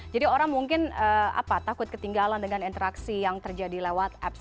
jadi orang mungkin takut ketinggalan dengan interaksi yang terjadi lewat apps